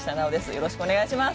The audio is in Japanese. よろしくお願いします。